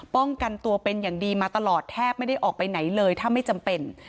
ป้องกันตัวเป็นอย่างดีมาตลอดแทบไม่ได้ออกไปไหนเลยถ้าไม่จำเป็น